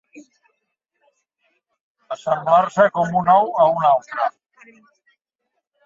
Assemblar-se com un ou a un altre.